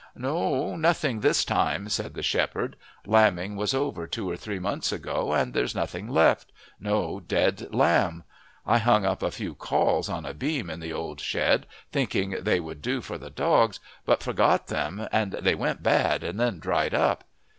"No, nothing this time," said the shepherd. "Lambing was over two or three months ago and there's nothing left no dead lamb. I hung up a few cauls on a beam in the old shed, thinking they would do for the dogs, but forgot them and they went bad and then dried up."